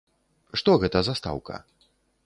Што гэта за стаўка?